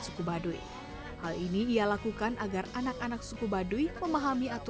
siku badui hal ini memang menjadi beberapa membuat handi loh bahasa weekend serah buah warna kuih nama